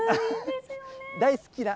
大好きな。